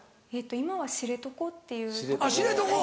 今は知床っていう所に。